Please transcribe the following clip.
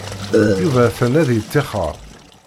Yuba atan ad yettixer.